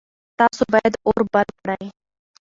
تاسو باید اور بل کړئ.